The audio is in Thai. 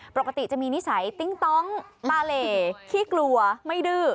ปกติจะมีนิสัยติ๊งต้องมาเหลขี้กลัวไม่ดื้อ